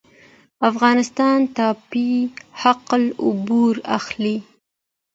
افغانستان د ټاپي حق العبور اخلي